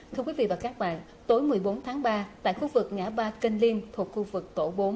thưa quý vị và các bạn tối một mươi bốn tháng ba tại khu vực ngã ba kênh liên thuộc khu vực tổ bốn